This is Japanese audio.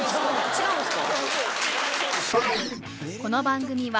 違うんですか。